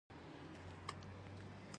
هغه د پردیو کورونو ته د دې کار لپاره ورنوت.